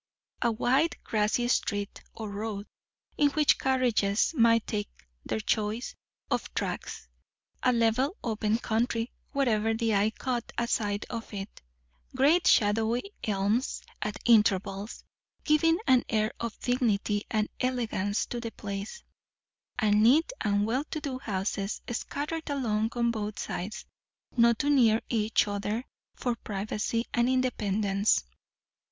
A wide grassy street, or road, in which carriages might take their choice of tracks; a level open country wherever the eye caught a sight of it; great shadowy elms at intervals, giving an air of dignity and elegance to the place; and neat and well to do houses scattered along on both sides, not too near each other for privacy and independence.